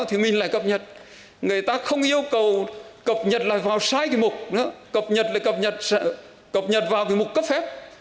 thì mình lại cập nhật người ta không yêu cầu cập nhật lại vào sai cái mục cập nhật lại cập nhật vào cái mục cấp phép